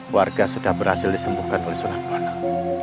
warga sudah berhasil disembuhkan oleh sunat anak